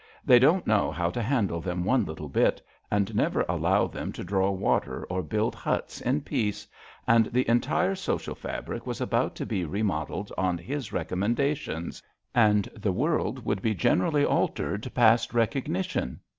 They don't know how to handle them one little bit, and never allow them to draw water or build huts in peace — and the entire social fabric was about to be remodelled on his recommendations, and the world would be generally altered past recognition.